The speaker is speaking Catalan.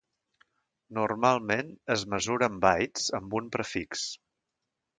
Normalment es mesura en bytes amb un prefix.